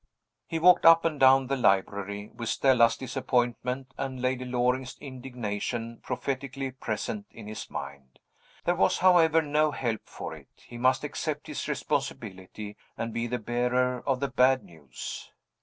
He walked up and down the library, with Stella's disappointment and Lady Loring's indignation prophetically present in his mind. There was, however, no help for it he must accept his responsibility, and be the bearer of the bad news.